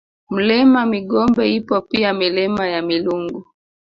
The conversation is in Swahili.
Mlima Migombe ipo pia Milima ya Milungu